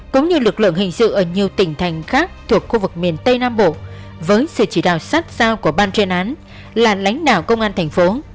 cũng như lực lượng hình sự ở nhiều tỉnh thành khác thuộc khu vực miền tây nam bộ với sự chỉ đạo sát sao của ban chuyên án là lãnh đạo công an thành phố